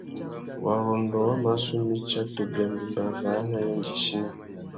Warrôndô wa mà su mitsa tu bia mbîmbà râā nà yêndzichina.